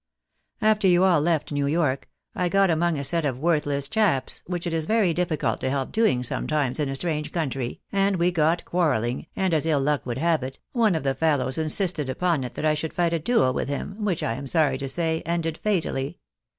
After you all left New York, I got among a set of worthless chaps, which it is very difBcult to help doing sometimes in a strange country, and we got quarrelling, and, as iU luck would have it, one of the fellows insisted upon it that I should fight a duel with him, which, I am sorry to say, ended fatally.